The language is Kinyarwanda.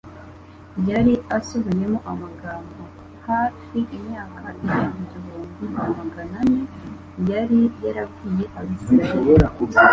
Yari asubiyemo amagambo, hafi imyaka irenga igihumbi na magana ane yari yarabwiye Abisiraheli